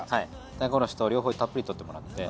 大根おろしと両方たっぷり取ってもらって。